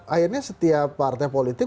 akhirnya setiap partai politik